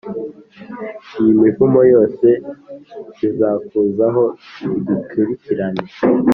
iyi mivumo yose+ izakuzaho, igukurikirane